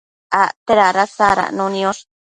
acte dada sadacno niosh